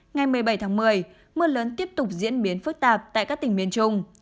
ngày một mươi bảy tháng một mươi mưa lớn tiếp tục diễn biến phức tạp tại các tỉnh miền trung